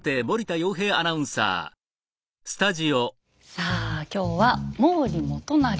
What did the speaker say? さあ今日は毛利元就。